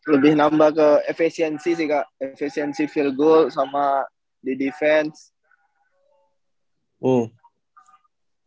lebih nambah ke efesiensi sih kak efesiensi field goal sama di defense